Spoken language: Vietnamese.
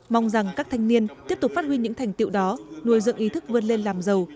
mong rằng các thanh niên tiếp tục phát huy những thành tiệu đó nuôi dựng ý thức vươn lên làm giàu